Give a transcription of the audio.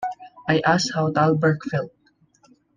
I asked how Thalberg felt.